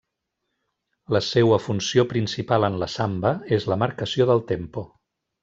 La seua funció principal en la samba és la marcació del tempo.